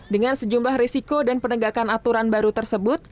dengan sejumlah risiko dan penegakan aturan baru tersebut